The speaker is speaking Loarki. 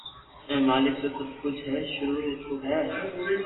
اي مالڪ تو سب ڪجھ ھي سروع تو ھي